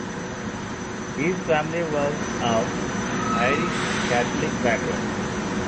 His family was of Irish Catholic background.